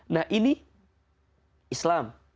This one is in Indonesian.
nah ini islam